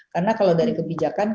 karena kalau dari kebijakan